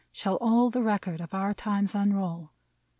Shall all the record of our times unroll.